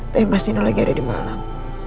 tapi mas nino lagi ada di malam